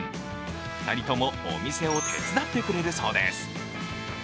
２人ともお店を手伝ってくれるそうです。